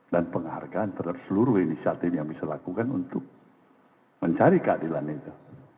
dan penghargaan terhadap seluruh inisiatif yang bisa dilakukan untuk mencari keadilan itu